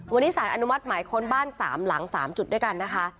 วันนี้สารอนุมัติหมายค้นบ้าน๓หลัง๓จุดด้วยกันนะคะ